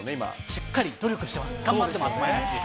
しっかり努力してます、頑張ってます、毎日。